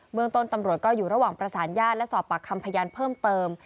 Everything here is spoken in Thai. เมืองต้นตำรวจก็อยู่ระหว่างประสานญาติและสอบปากคำพยานเพิ่มเติม